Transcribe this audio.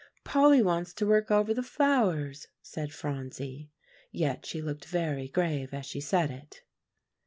"Polly wants to work over the flowers," said Phronsie. Yet she looked very grave as she said it.